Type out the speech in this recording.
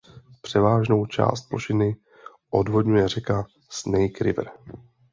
Převážnou část plošiny odvodňuje řeka Snake River.